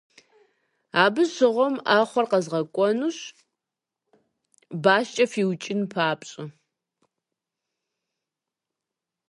Абы щыгъуэм Ӏэхъуэр къэзгъэкӀуэнущ, башкӀэ фиукӀын папщӀэ.